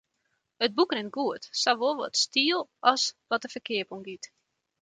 It boek rint goed, sawol wat styl as wat de ferkeap oangiet.